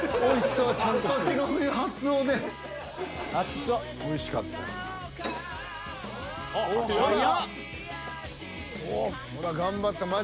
［おいしかった］